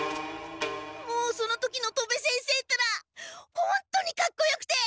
もうその時の戸部先生ったらほんとにかっこよくて！